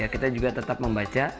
kita juga tetap membaca